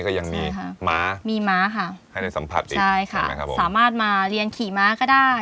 ก็ยังมีค่ะม้ามีม้าค่ะให้ได้สัมผัสอีกใช่ค่ะนะครับผมสามารถมาเรียนขี่ม้าก็ได้